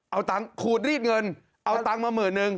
เอาตังค์ขูดรีดเงินเอาตังค์มาหมื่นนึง